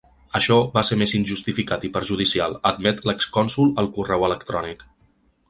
Això va ser més injustificat i perjudicial, admet l’ex-cònsol al correu electrònic.